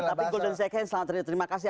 tapi golden check hand selamat terima kasih